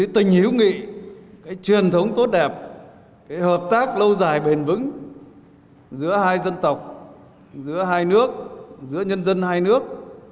tình hữu nghị truyền thống tốt đẹp hợp tác lâu dài bền vững giữa hai dân tộc giữa hai nước giữa nhân dân hai nước